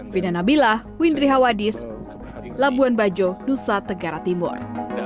vinanabilah windri hawadis labuan bajo nusa tegara timur